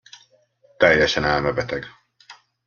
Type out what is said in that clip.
Teljesen elmebeteg!